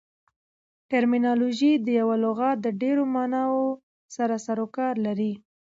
ټرمینالوژي د یوه لغات د ډېرو ماناوو سره سر او کار لري.